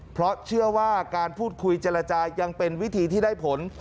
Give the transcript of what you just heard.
เพราะเชื่อว่าการพูดคุยเจรจายังเป็นวิธีที่ได้ผล